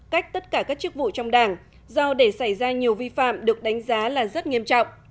cách tất cả các chức vụ trong đảng do để xảy ra nhiều vi phạm được đánh giá là rất nghiêm trọng